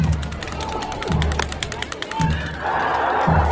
روغتیایي بیمه څنګه کار کوي؟